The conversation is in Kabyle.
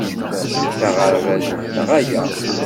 D aɣerbaz-nteɣ aya.